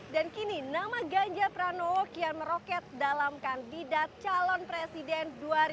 dan kini nama ganja pranowo kian meroket dalam kandidat calon presiden dua ribu dua puluh empat